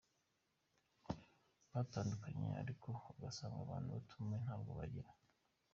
batandukanye ariko ugasanga abantu batumiwe ntabwo bagera